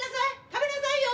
食べなさいよ！